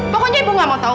pokoknya ibu gak mau tahu